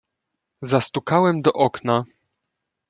"Zastukałem do okna."